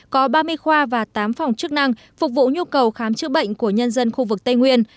có ba mươi khoa và tám phòng chức năng phục vụ nhu cầu khám chữa bệnh của nhân dân khu vực tây nguyên